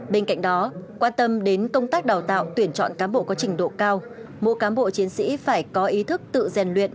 bên cạnh đó quan tâm đến công tác đào tạo tuyển chọn cán bộ có trình độ cao mỗi cán bộ chiến sĩ phải có ý thức tự rèn luyện